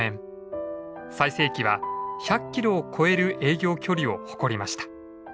最盛期は１００キロを超える営業距離を誇りました。